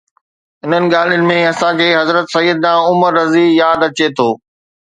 انهن ڳالهين ۾ اسان کي حضرت سيدنا عمر رضه ياد اچي ٿو.